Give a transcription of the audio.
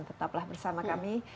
tetaplah bersama kami